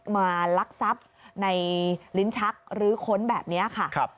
มาลักทรัพย์ในลิ้นชักหรือค้นแบบนี้ค่ะ